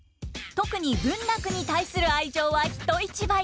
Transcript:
特に文楽に対する愛情はひと一倍！